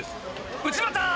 内股！